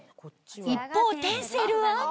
一方テンセルは？